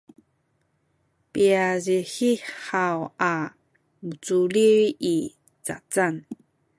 piazihi haw a muculil i zazan